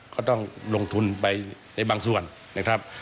ก็ต้องลงทุนไปในบางส่วนนะครับ